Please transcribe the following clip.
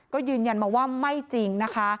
ก็ยืนยันมาว่าไม่จริงนะคะ